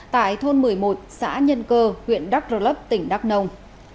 tại thôn một mươi một xã nhân cơ huyện đắk rơ lấp tỉnh đắk nông